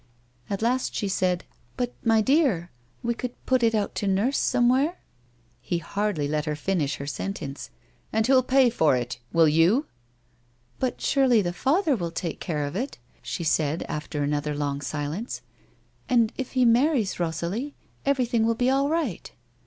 At last she said, "But, my dear, we could put it out to nurse somewhere He hardly let her finish her sentence. " And who'll pay for it ? Will you 1 " "But surely the father will take care of it," she said, after another long silence. " And if he marries Rosalie, every thing will be all right."